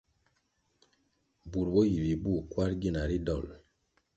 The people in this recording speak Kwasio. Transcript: Bur bo yi bibuh kwarʼ gina ri dolʼ.